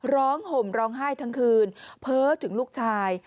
ห่มร้องไห้ทั้งคืนเพ้อถึงลูกชาย